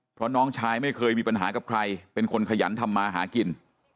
เพราะน้องชายไม่เคยมีปัญหากับใครเป็นคนขยันทำมาหากิน